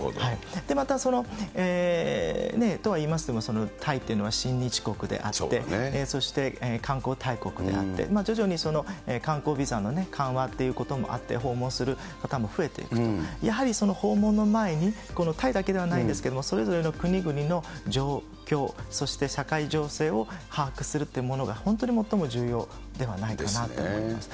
また、とはいいましても、タイっていうのは親日国であって、そして観光大国であって、徐々に観光ビザの緩和っていうこともあって、訪問する方も増えていくと、やはり訪問の前に、このタイだけではないですけども、それぞれの国々の状況、そして社会情勢を把握するってものが、本当に最も重要ではないかなと思います。